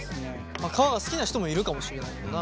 皮が好きな人もいるかもしれないもんな。